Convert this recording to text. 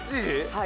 はい。